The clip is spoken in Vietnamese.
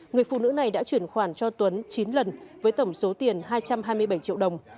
người phụ nữ này đã chuyển khoản cho tuấn chín lần với tổng số tiền hai trăm hai mươi bảy triệu đồng